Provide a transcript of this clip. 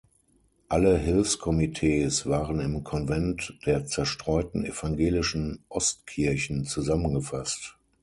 Alle Hilfskomitees waren im "Konvent der zerstreuten evangelischen Ostkirchen" zusammengefasst.